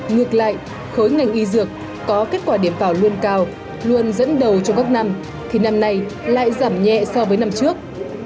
ngược lại khối ngành y dược có kết quả điểm vào luôn cao luôn dẫn đầu trong các năm thì năm nay lại giảm nhẹ so với năm trước